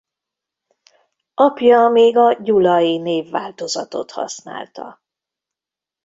Apja még a Gyulay névváltozatot használta.